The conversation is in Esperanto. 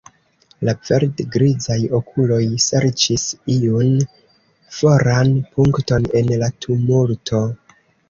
La verd-grizaj okuloj serĉis iun foran punkton en la tumulto.